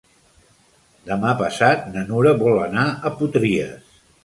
Demà passat na Nura vol anar a Potries.